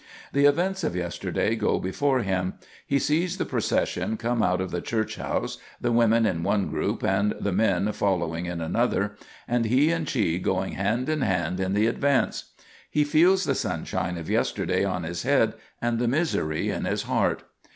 The events of yesterday go before him. He sees the procession come out of the church house, the women in one group and the men following in another, and he and she going hand in hand in the advance. He feels the sunshine of yesterday on his head and the misery in his heart.